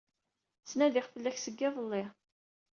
Ttnadiɣ fell-ak seg yiḍelli.